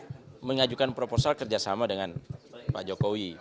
saya mengajukan proposal kerjasama dengan pak jokowi